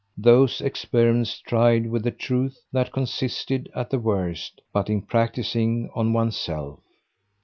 those experiments tried with the truth that consisted, at the worst, but in practising on one's self.